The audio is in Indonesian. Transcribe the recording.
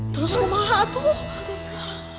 terus kemah tuh